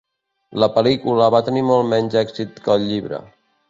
La pel·lícula va tenir molt menys èxit que el llibre.